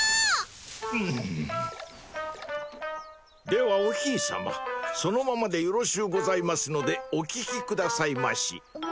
うんではおひいさまそのままでよろしゅうございますのでお聞きくださいまし